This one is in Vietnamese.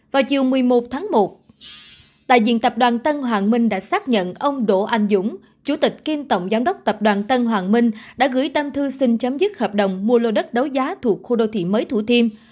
vào chiều một mươi một tháng một đại diện tập đoàn tân hoàng minh đã xác nhận ông đỗ anh dũng chủ tịch kiêm tổng giám đốc tập đoàn tân hoàng minh đã gửi tâm thư xin chấm dứt hợp đồng mua lô đất đấu giá thuộc khu đô thị mới thủ thiêm